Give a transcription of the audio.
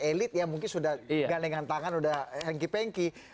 elit ya mungkin sudah galengan tangan sudah hengki pengki